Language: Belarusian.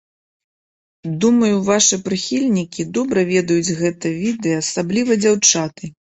Думаю вашы прыхільнікі добра ведаюць гэтае відэа, асабліва дзяўчаты.